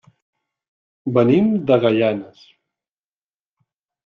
Venim de Gaianes.